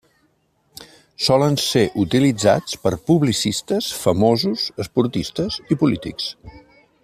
Solen ser utilitzats per publicistes, famosos, esportistes i polítics.